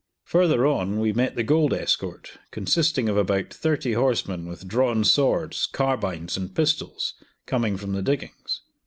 Further on we met the gold escort, consisting of about thirty horsemen with drawn swords, carbines, and pistols, coming from the diggings.